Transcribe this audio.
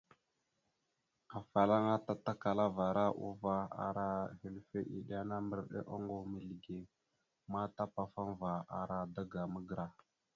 Afalaŋana tatakalavara uvah a ara hœləfe iɗena mbəriɗe ongov mizləge ma tapafaŋva ara daga magəra.